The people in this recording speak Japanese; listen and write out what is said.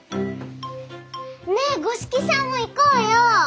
ねえ五色さんも行こうよ。